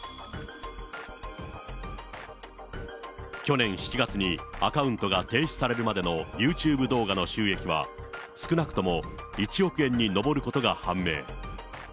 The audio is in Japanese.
去年７月にアカウントが停止されるまでのユーチューブ動画の収益は、少なくとも１億円に上ることが判明。